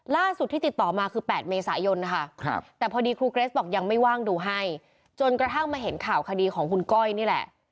ล่าสุดที่ติดต่อมาคือ๘เมษายนนะคะแต่พอดีครูเกรสบอกยังไม่ว่างดูให้จนกระทั่งมาเห็นข่าวคดีของคุณก้อยนี่แหละ